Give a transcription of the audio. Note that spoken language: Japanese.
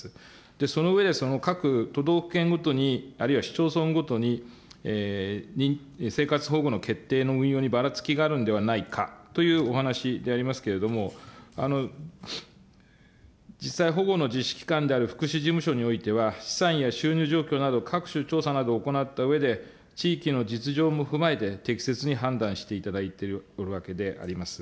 その上で、各都道府県ごとに、あるいは市町村ごとに、生活保護の決定の運用にばらつきがあるんではないかというお話でありますけれども、実際、保護の実施機関である福祉事務所においては、資産や収入状況など、各種調査などを行ったうえで、地域の実情も踏まえて適切に判断していただいておるわけであります。